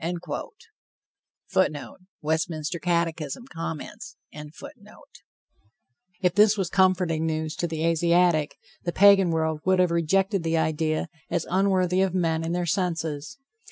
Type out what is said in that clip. [Footnote: Westminster Catechism, Comments.] If this was comforting news to the Asiatic, the Pagan world would have rejected the idea as unworthy of men in their senses.